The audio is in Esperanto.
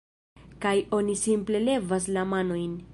kaj oni simple levas la manojn